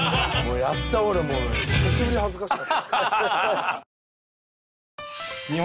やった俺も久しぶりに恥ずかしかった。